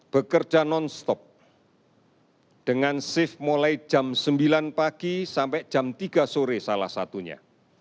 bekerja non stop dengan shift mulai jam sembilan pagi sampai jam tiga sore salah satunya